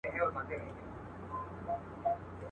!شپېلۍ.